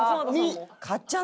かっちゃん